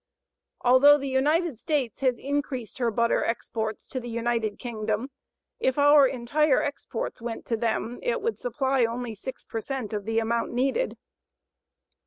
Although the United States has increased her butter exports to the United Kingdom, if our entire exports went to them, it would supply only 6 per cent of the amount needed.